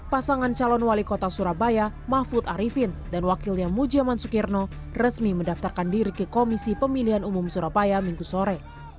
pasangan calon wali kota surabaya mahfud arifin dan wakilnya mujaman sukirno resmi mendaftarkan diri ke komisi pemilihan umum surabaya minggu sore